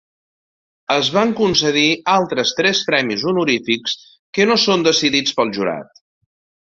Es van concedir altres tres premis honorífics que no són decidits pel jurat.